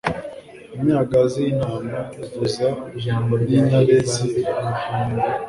imyagazi y'intama ivuza n'intare zivuga